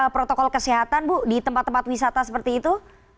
protokol kesehatan bu di tempat tempat wisata seperti itu